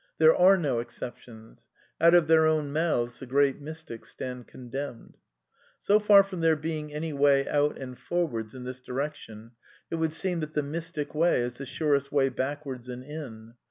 There are no exceptions. Out of their own mouths the great mystics stand condemned. So far from there being any way out and forwards in this direction, it would seem that the Mystic Way is the surest way backwards and in.